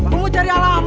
gue mau cari alamat kok